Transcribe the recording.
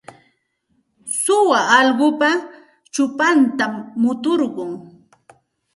Suwa allqupa chupantam muturqun.